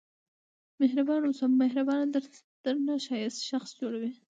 مهربانه واوسئ مهرباني درنه ښایسته شخص جوړوي.